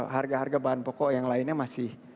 harga harga bahan pokok yang lainnya masih